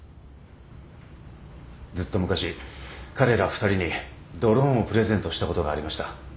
ずっと昔彼ら２人にドローンをプレゼントしたことがありました。